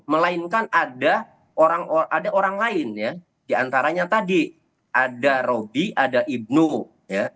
melainkan ada orang lain ya diantaranya tadi ada roby ada ibnu ya